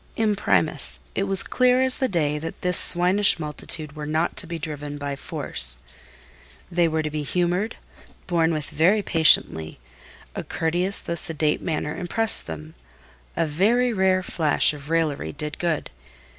Imprimis—it was clear as the day that this swinish multitude were not to be driven by force. They were to be humoured, borne with very patiently: a courteous though sedate manner impressed them; a very rare flash of raillery did good.